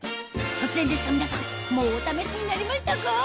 突然ですが皆さんもうお試しになりましたか？